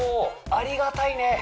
ありがたいね